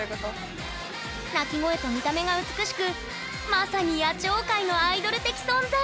鳴き声と見た目が美しくまさに野鳥界のアイドル的存在！